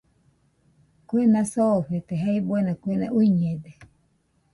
Kuena soofete jae buena kuena uiñede